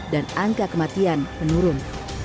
dan angka kematian menurun